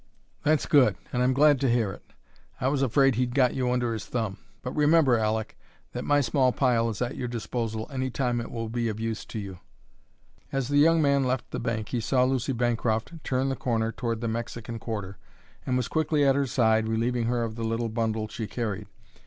"That's good, and I'm glad to hear it. I was afraid he'd got you under his thumb. But remember, Aleck, that my small pile is at your disposal any time it will be of use to you." As the young man left the bank he saw Lucy Bancroft turn the corner toward the Mexican quarter and was quickly at her side, relieving her of the little bundle she carried.